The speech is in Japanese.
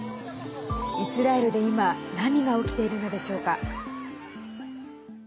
イスラエルで、今何が起きているのでしょうか。